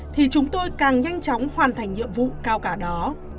thì chúng tôi càng nhanh chóng hoàn thành nhiệm vụ cao cả đó